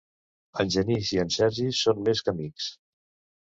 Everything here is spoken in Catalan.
En Genís i en Sergi són més que amics.